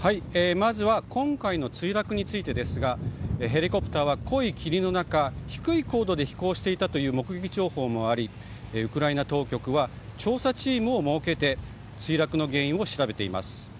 まずは今回の墜落についてですがヘリコプターは濃い霧の中低い高度で飛行していたという目撃情報もありウクライナ当局は調査チームを設けて墜落の原因を調べています。